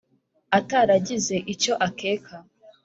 «ataragize icyo akeka»